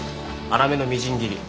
粗めのみじん切り。